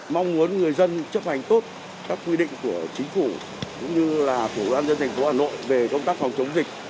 mong muốn người dân chấp hành tốt các quy định của chính phủ cũng như là của ban dân thành phố hà nội về công tác phòng chống dịch